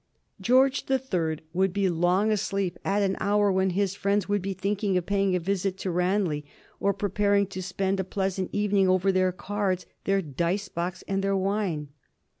George the Third would be long asleep at an hour when his friends would be thinking of paying a visit to Ranelagh, or preparing to spend a pleasant evening over their cards, their dice box, and their wine.